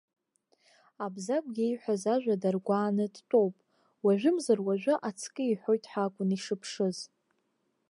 Абзагә иеиҳәаз ажәа даргәааны дтәоуп, уажәымзар уажәы ацкы иҳәоит ҳәа акәын ишыԥшыз.